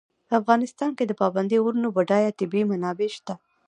په افغانستان کې د پابندي غرونو بډایه طبیعي منابع شته دي.